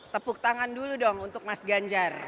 tepuk tangan dulu dong untuk mas ganjar